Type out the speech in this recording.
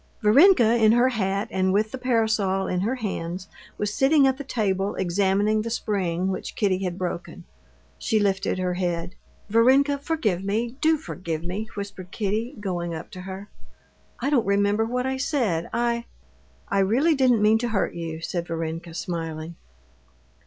Varenka in her hat and with the parasol in her hands was sitting at the table examining the spring which Kitty had broken. She lifted her head. "Varenka, forgive me, do forgive me," whispered Kitty, going up to her. "I don't remember what I said. I...." "I really didn't mean to hurt you," said Varenka, smiling.